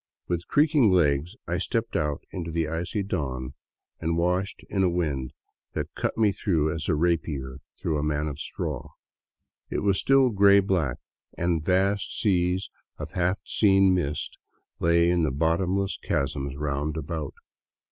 With creaking legs I stepped out into the icy dawn, and washed in a wind that cut through me as a rapier through a man of straw. It was still gray black, and vast seas of half seen mist lay in the bottomless chasms roundabout.